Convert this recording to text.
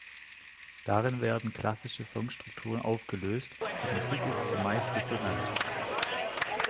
Darin werden klassische Songstrukturen aufgelöst, die Musik ist zumeist dissonant.